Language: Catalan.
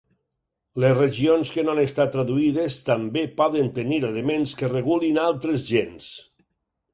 Les regions que no han estat traduïdes també poden tenir elements que regulin altres gens.